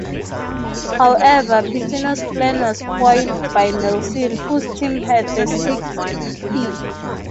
However, Pitino's plan was foiled by Nelson, whose team had the sixth pick.